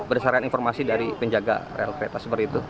berdasarkan informasi dari penjaga rel kereta seperti itu